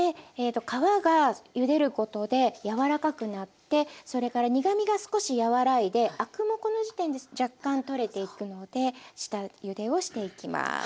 皮がゆでることで柔らかくなってそれから苦みが少し和らいでアクもこの時点で若干取れていくので下ゆでをしていきます。